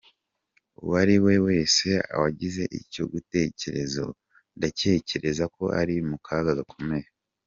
"Uwari we wese wagize icyo gitekerezo, ndatekereza ko ari mu kaga gakomeye.